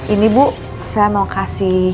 ini bu saya mau kasih